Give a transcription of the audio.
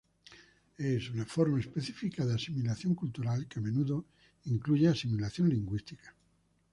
Es una forma específica de asimilación cultural que a menudo incluye asimilación lingüística.